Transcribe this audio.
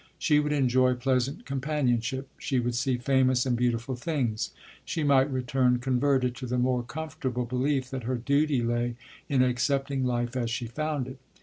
She would enjoy pleasant companionship. She would see famous and beautiful things. She might return converted to the more comfortable belief that her duty lay in accepting life as she found it.